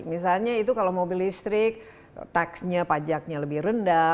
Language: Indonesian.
misalnya itu kalau mobil listrik taxnya pajaknya lebih rendah